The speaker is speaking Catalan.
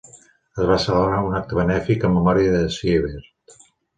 Es va celebrar un acte benèfic en memòria de Siebert.